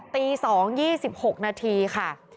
ตี๒ยี่สิบหกนาทีค่ะ